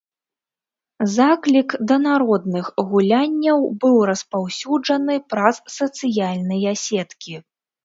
Заклік да народных гулянняў быў распаўсюджаны праз сацыяльныя сеткі.